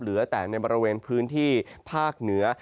หลังจากประเวนพื้นที่ภาคเหนือ